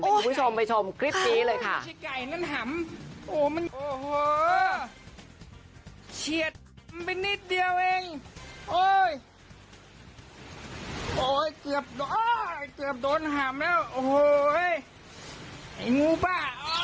คุณผู้ชมไปชมคลิปนี้เลยค่ะ